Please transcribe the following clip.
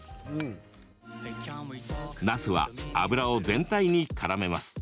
なすは油を全体にからめます。